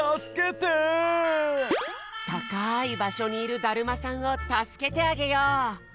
たかいばしょにいるだるまさんをたすけてあげよう！